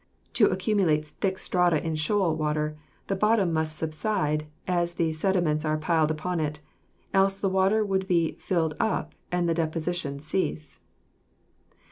To accumulate thick strata in shoal water, the bottom must subside as the sediments are piled upon it, else the water would be filled up and deposition cease.